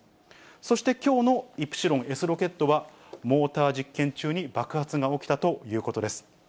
そしてきょうのイプシロンＳロケットは、モーター実験中に爆発が起きたということです。